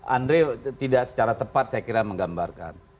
andre tidak secara tepat saya kira menggambarkan